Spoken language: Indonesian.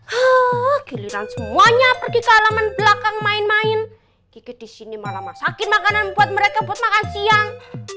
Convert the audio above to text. ah giliran semuanya pergi ke halaman belakang main main gigit di sini malah masakin makanan buat mereka buat makan siang